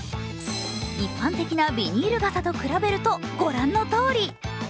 一般的なビニール傘と比べるとご覧のとおり。